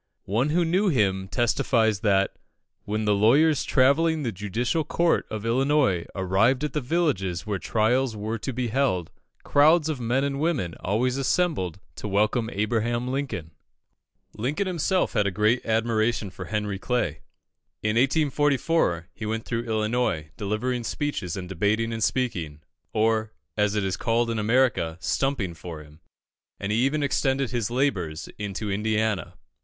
One who knew him testifies that, when the lawyers travelling the judicial circuit of Illinois arrived at the villages where trials were to be held, crowds of men and women always assembled to welcome Abraham Lincoln. Lincoln himself had a great admiration for Henry Clay. In 1844, he went through Illinois delivering speeches and debating and speaking, or, as it is called in America, "stumping" for him, and he even extended his labours into Indiana.